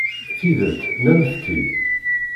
Tidet, nnant-tt-id.